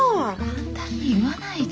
簡単に言わないでよ。